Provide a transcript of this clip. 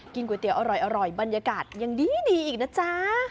ก๋วยเตี๋ยอร่อยบรรยากาศยังดีอีกนะจ๊ะ